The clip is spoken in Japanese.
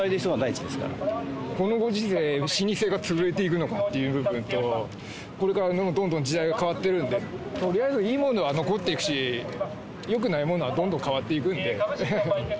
このご時世、老舗が潰れていくのかっていう部分と、これからどんどん時代が変わってるので、とりあえずいいものは残っていくし、よくないものはどんどん変わっていくんで。